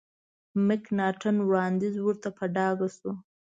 مکناټن وړاندیز ورته په ډاګه شو.